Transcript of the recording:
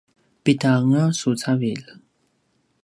pida anga su cavilj?